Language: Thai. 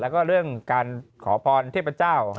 แล้วก็เรื่องการขอพรเทพเจ้า